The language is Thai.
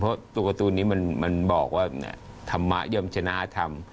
เพราะตัวการ์ตูนนี้มันบอกว่าธรรมะย่อมชนะธรรม